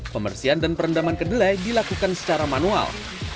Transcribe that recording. pembersihan dan perendaman kedelai dilakukan secara manual